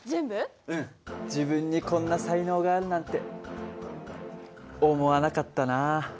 自分にこんな才能があるなんて思わなかったな。